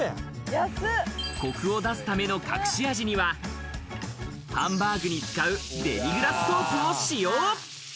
コクを出すための隠し味にはハンバーグに使うデミグラスソースを使用。